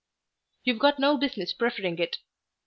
"You've got no business preferring it."